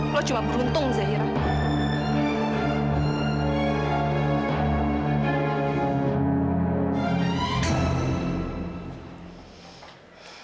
lo cuma beruntung zairah